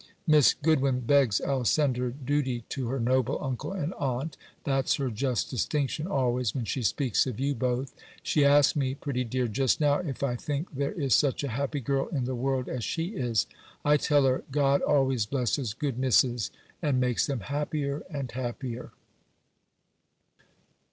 Miss Goodwin begs I'll send her duty to her noble uncle and aunt; that's her just distinction always, when she speaks of you both. She asked me, pretty dear, just now, If I think there is such a happy girl in the world as she is? I tell her, God always blesses good Misses, and makes them happier and happier.